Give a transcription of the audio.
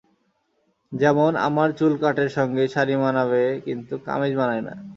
যেমন আমার চুল কাটের সঙ্গে শাড়ি মানাবে কিন্তু কামিজ মানায় না।